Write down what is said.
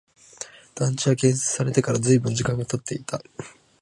団地は建設されてから随分時間が経っていた